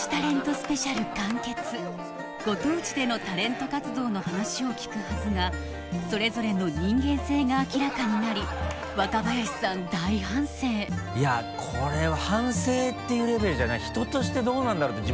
スペシャル完結ご当地でのタレント活動の話を聞くはずがそれぞれの人間性が明らかになり若林さん大反省牧場から食卓まで。